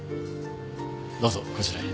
どうぞこちらへ。